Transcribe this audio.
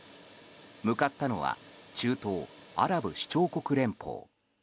向かったのは中東アラブ首長国連邦。